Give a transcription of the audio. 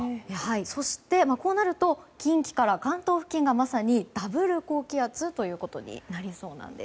こうなると近畿から関東付近がまさにダブル高気圧となりそうなんです。